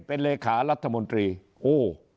เป็นรัฐมนตรีโอ้